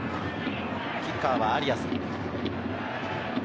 キッカーはアリアス。